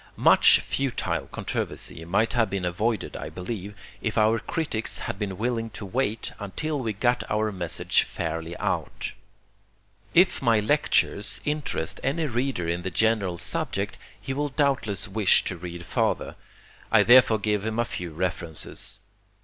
Much futile controversy might have been avoided, I believe, if our critics had been willing to wait until we got our message fairly out. If my lectures interest any reader in the general subject, he will doubtless wish to read farther. I therefore give him a few references.